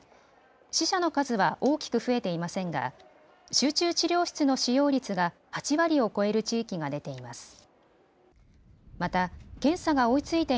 死者の数は大きく増えていませんが集中治療室の使用率が８割を超える地域が出ています。